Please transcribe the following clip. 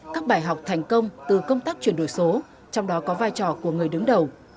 các bài học thành công từ công tác chuyển đổi số trong đó có vai trò của người đứng đầu